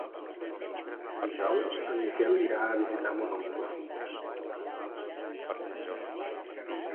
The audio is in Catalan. Dijous en Miquel irà a visitar mon oncle.